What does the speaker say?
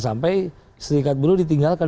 sampai serikat buruh ditinggalkan